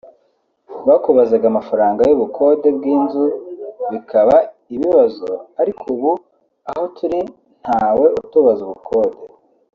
Bakubazaga amafaranga y’ubukode bw’inzu bikaba ibibazo ariko ubu aho turi ntawe utubaza ubukode